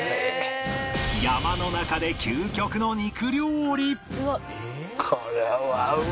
山の中で究極の肉料理